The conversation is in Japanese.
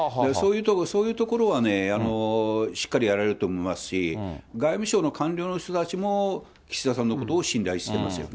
そういうところはね、しっかりやられると思いますし、外務省の官僚の人たちも、岸田さんのことを信頼してますよね。